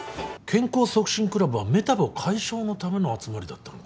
健康促進クラブはメタボ解消のための集まりだったのか。